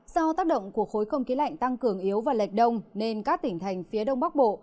do tác động của khối không khí lạnh tăng cường yếu và lệch đông nên các tỉnh thành phía đông bắc bộ